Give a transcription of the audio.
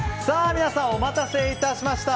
皆さん、お待たせいたしました。